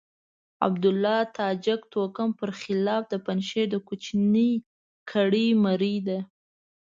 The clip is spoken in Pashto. عبدالله د تاجک توکم پر خلاف د پنجشير د کوچنۍ کړۍ مرۍ ده.